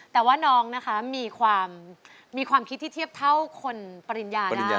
แต่ว่าน้องนะคะมีความคิดที่เทียบเท่าคนปริญญาได้